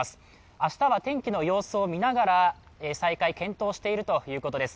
明日は天気の様子を見ながら再開を検討しているということです。